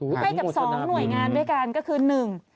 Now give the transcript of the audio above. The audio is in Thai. ใกล้กับ๒หน่วยงานด้วยกันก็คือ๑